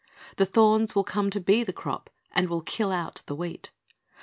The thorns will come to be the crop, and will kill out the wheat.